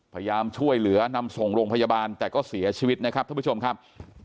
พยายามช่วยเหลือนำส่งโรงพยาบาลแต่ก็เสียชีวิตนะครับท่านผู้ชมครับ